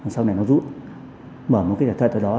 sau này nó rút mở một thẻ thật ở đó